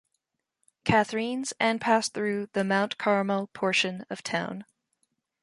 Catherines and pass through the Mount Carmel portion of town.